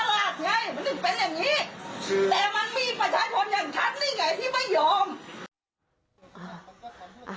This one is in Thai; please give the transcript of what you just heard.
แต่มันมีประชาชนอย่างครั้งนี้ไงที่ไม่ยอม